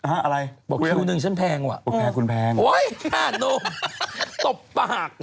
อะไรบอกคิวหนึ่งฉันแพงว่ะโอ้ยแค่นุ่มตบปาก